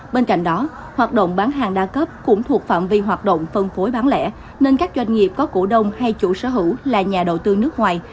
bên cạnh đó hoạt động bán hàng đa cấp cũng thuộc phạm vi hoạt động phân phối bán lẻ nên các doanh nghiệp có cổ đông hay chủ sở hữu là nhà đầu tư nước ngoài